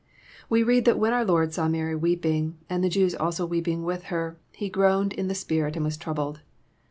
We read that when our Lord saw Mary weeping, and the Jews also weeping with her, ^^ He groaned in the spirit and was troubled."